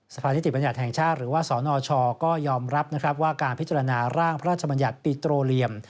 ภานิติบัญญัติแห่งชาติหรือว่าสนชก็ยอมรับนะครับว่าการพิจารณาร่างพระราชบัญญัติปิโตเรียม